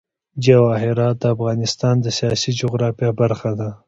جواهرات د افغانستان د سیاسي جغرافیه برخه ده.